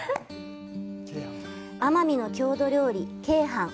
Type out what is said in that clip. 奄美の郷土料理、鶏飯。